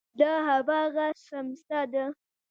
دا هماغه څمڅه ده.